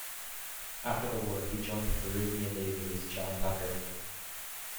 After the war, he joined the Peruvian Navy with John Tucker.